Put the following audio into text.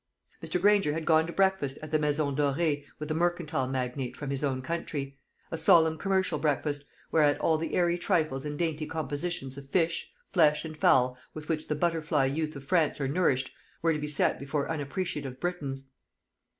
Mr. Granger had gone to breakfast at the Maison Dorée with a mercantile magnate from his own country a solemn commercial breakfast, whereat all the airy trifles and dainty compositions of fish, flesh, and fowl with which the butterfly youth of France are nourished, were to be set before unappreciative Britons.